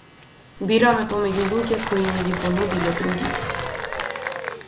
Бираме помеѓу луѓе кои ни ги понудиле другите.